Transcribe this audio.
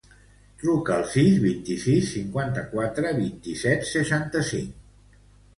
Truca al sis, vint-i-sis, cinquanta-quatre, vint-i-set, seixanta-cinc.